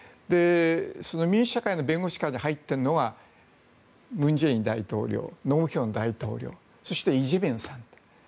民主社会の弁護士会に入ったのは文在寅大統領盧武鉉大統領そしてイ・ジェミョンさん。